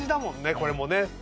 これもね。